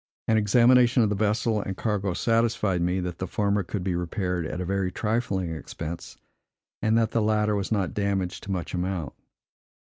An examination of the vessel and cargo satisfied me, that the former could be repaired at very trifling expense, and that the latter was not damaged to much amount.